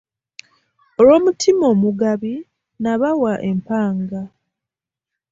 Olw'omutima omugabi na bawa empanga.